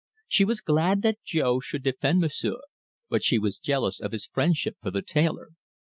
She was glad that Jo should defend M'sieu', but she was jealous of his friendship for the tailor.